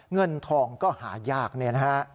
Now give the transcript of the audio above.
เงื่อนทองก็หายากนะฮะ